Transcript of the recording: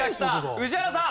宇治原さん。